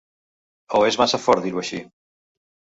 O és massa fort dir-ho així?